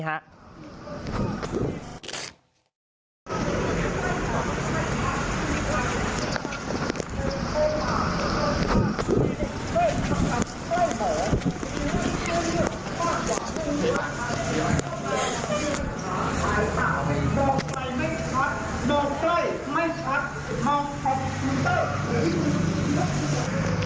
ดีค่ะโดนใกล้ไม่ชัดมองคอปพิวเตอร์